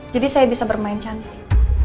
jadi saya bisa bermain cantik